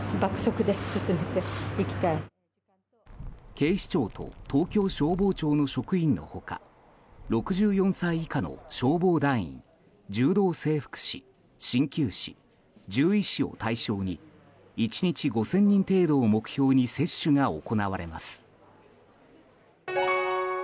警視庁と東京消防庁の職員の他６４歳以下の消防団員柔道整復師、鍼灸師獣医師を対象に１日５０００人程度を目標に接種が行われます。